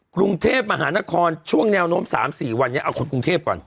กรุงเทพมหานครช่วงแนวโน้ม๓๔วันนี้เอาคนกรุงเทพก่อน